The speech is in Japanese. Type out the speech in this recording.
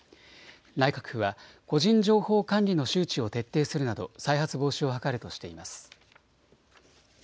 内閣府は個人情報管理の周知を徹底するなど再発防止を図るとしています。